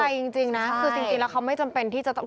จริงนะคือจริงแล้วเขาไม่จำเป็นที่จะต้อง